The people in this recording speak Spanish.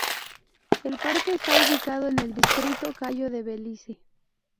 El parque está ubicado en el distrito Cayo de Belice.